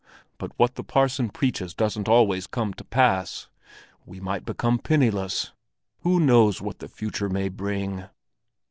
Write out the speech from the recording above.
But what the parson preaches doesn't always come to pass. We might become penniless. Who knows what the future may bring?"